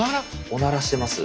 おならしてます。